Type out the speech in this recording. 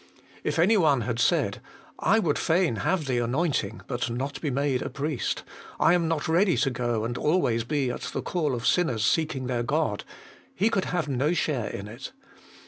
If any one had said : I would fain have the anointing, but not be made a priest ; I am not ready to go and always be at the call of sinners seeking their God, he could have no share in it.